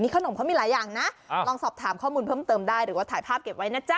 ขนมเขามีหลายอย่างนะลองสอบถามข้อมูลเพิ่มเติมได้หรือว่าถ่ายภาพเก็บไว้นะจ๊